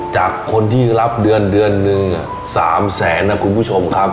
จากคนที่รับเดือนเดือนหนึ่ง๓แสนนะคุณผู้ชมครับ